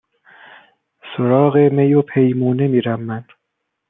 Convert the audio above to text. سراغ می و پیمونه میرم من